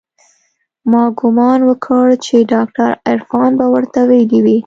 ما ګومان وکړ چې ډاکتر عرفان به ورته ويلي وي.